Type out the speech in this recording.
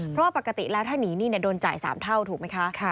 เพราะปกติแล้วถ้าหนีหนี้โดนจ่าย๓เท่าถูกไหมคะ